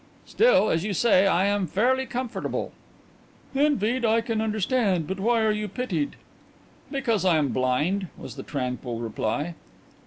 "Still, as you say, I am fairly comfortable." "Envied, I can understand. But why are you pitied?" "Because I am blind," was the tranquil reply.